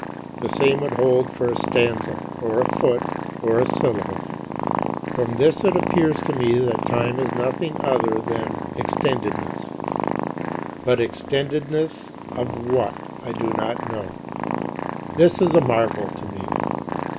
The same would hold for a stanza, or a foot, or a syllable. From this it appears to me that time is nothing other than extendedness; but extendedness of what I do not know. This is a marvel to me.